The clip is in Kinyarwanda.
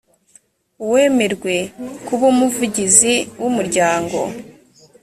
uwemerwe kuba umuvugizi w umuryango